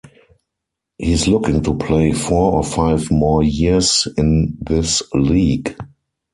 He's looking to play four or five more years in this league.